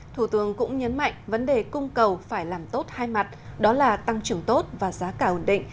thủ tướng cũng nhấn mạnh vấn đề cung cầu phải làm tốt hai mặt đó là tăng trưởng tốt và giá cả ổn định